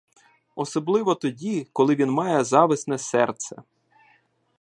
Особливо тоді, коли він має зависне серце.